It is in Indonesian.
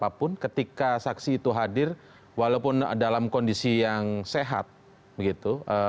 apapun ketika saksi itu hadir walaupun dalam kondisi yang sehat begitu